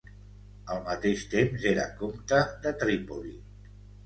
Al mateix temps era comte de Trípoli.